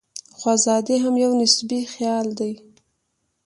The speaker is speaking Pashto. خو ازادي هم یو نسبي خیال دی.